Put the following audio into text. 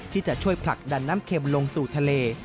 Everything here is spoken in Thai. ที่จะช่วยผลักดันน้ำเข็มลงสู่ทะเล